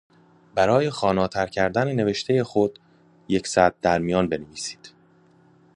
برای خواناتر کردن نوشتهی خود یک سطر در میان بنویسید.